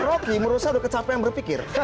rocky menurut saya sudah kecapian berpikir